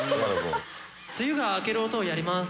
梅雨が明ける音をやります！